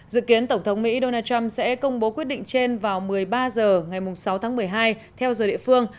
dự kiến tổng thống mỹ donald trump sẽ công bố quyết định trên vào một mươi ba h ngày sáu tháng một mươi hai theo giờ địa phương